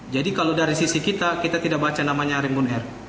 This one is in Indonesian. jadi kalau dari sisi kita kita tidak baca namanya rimbun air